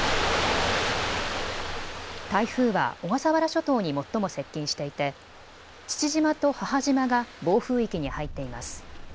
台風は小笠原諸島に最も接近していて父島と母島が暴風域に入っています。